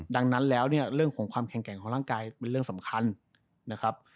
ดังนั้นแล้วเนี่ยเรื่องของความแข็งแกร่งของร่างกายเป็นเรื่องสำคัญนะครับ